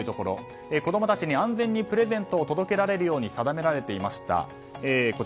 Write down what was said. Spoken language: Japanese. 子供たちに安全にプレゼントを届けられるように定められていました。